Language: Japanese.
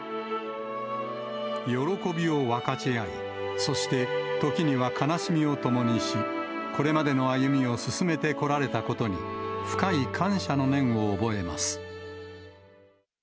喜びを分かち合い、そして時には悲しみを共にし、これまでの歩みを進めてこられたことに、深い感謝の念を覚えます。